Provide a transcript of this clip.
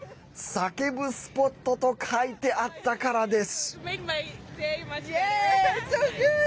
叫ぶスポットと書いてあったからなんです。